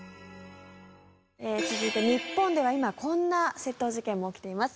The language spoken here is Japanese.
続いて日本では今こんな窃盗事件も起きています。